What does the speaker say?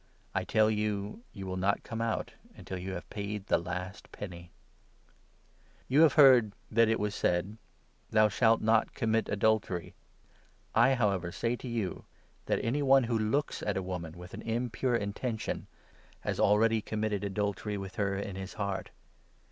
I tell you, you will not come out until you have paid the last penny. You have heard that it was said — on Impurity, < xhou shalt not commit adultery.' I, however, say to you that any one who looks at a woman with an impure intention has already committed adultery with her in his heart.